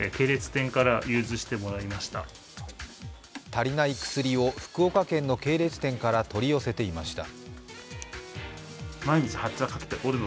足りない薬を福岡県の系列店から取り寄せていました。